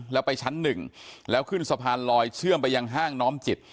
แล้วไปชั้นหนึ่งแล้วขึ้นสะพานลอยเชื่อมไปยังห้างน้อมจิต